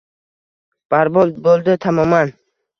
Barbod bo’ldi tamoman.